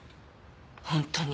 本当に。